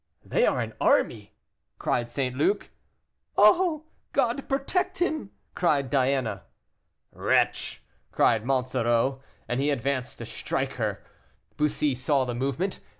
"They are an army," cried St. Luc. "Oh! God protect him!" cried Diana. "Wretch!" cried Monsoreau, and he advanced to strike her. Bussy saw the movement.